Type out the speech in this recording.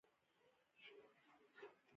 د پرلپسې تړل کېدو او د سوداګريزو لارو څخه